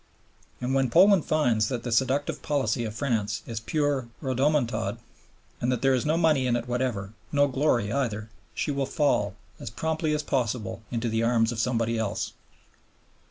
And when Poland finds that the seductive policy of France is pure rhodomontade and that there is no money in it whatever, nor glory either, she will fall, as promptly as possible, into the arms of somebody else.